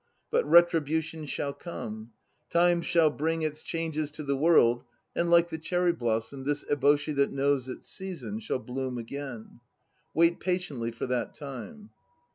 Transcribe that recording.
But retribution shall come; time shall bring Its changes to the world and like the cherry blossom This eboshi that knows its season Shall bloom again. Wait patiently for that time!